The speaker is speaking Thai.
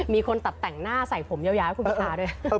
มีคนตัดแต่งหน้าใส่ผมยาวให้คุณพิทาด้วย